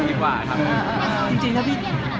จริงแล้วพี่